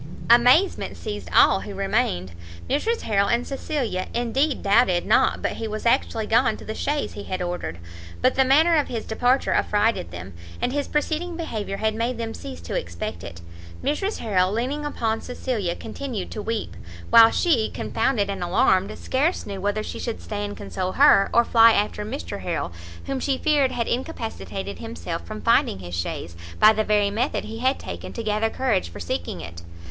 Amazement seized all who remained; Mrs Harrel and Cecilia, indeed, doubted not but he was actually gone to the chaise he had ordered; but the manner of his departure affrighted them, and his preceding behaviour had made them cease to expect it; Mrs Harrel, leaning upon Cecilia, continued to weep, while she, confounded and alarmed, scarce knew whether she should stay and console her, or fly after Mr Harrel, whom she feared had incapacitated himself from finding his chaise, by the very method he had taken to gather courage for seeking it.